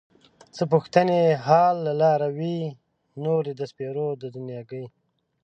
څه پوښتې حال له لاروي نور د سپېرې دنياګۍ